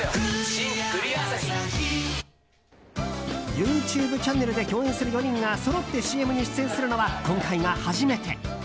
ＹｏｕＴｕｂｅチャンネルで共演する４人がそろってＣＭに出演するのは今回が初めて。